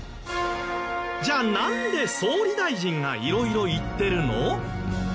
じゃあなんで総理大臣が色々言ってるの？